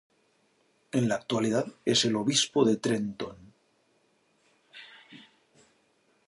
En la actualidad es el Obispo de Trenton.